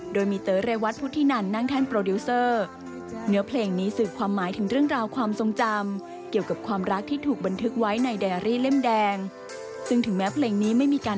โดยมีเต๋อเรวัตพุทธินันนั่งแท่นโปรดิวเซอร์